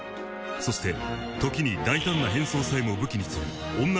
［そして時に大胆な変装さえも武器にする女